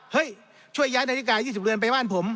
เฮ้ยช่วยย้ายนาฬิกา๒๐เรือนไปบ้านผม